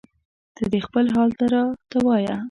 ته دې خپل حال راته وایه